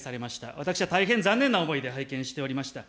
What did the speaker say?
私は大変残念な思いで拝見しておりました。